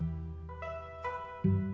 ya pak sofyan